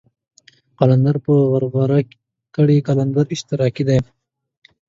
قلندر په غرغره کړئ قلندر اشتراکي دی.